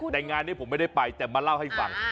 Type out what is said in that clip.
แต่งานนี้ผมไม่ได้ไปแต่มาเล่าให้ฟัง